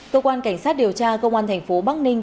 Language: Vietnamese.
cơ quan cảnh sát điều tra công an thành phố bắc ninh